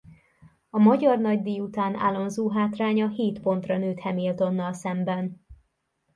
A magyar nagydíj után Alonso hátránya hét pontra nőtt Hamiltonnal szemben.